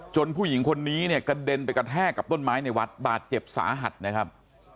ผู้หญิงคนนี้เนี่ยกระเด็นไปกระแทกกับต้นไม้ในวัดบาดเจ็บสาหัสนะครับ